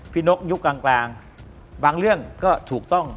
นกยุคกลางบางเรื่องก็ถูกต้อง